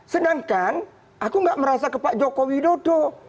sedangkan aku nggak merasa ke pak jokowi dodo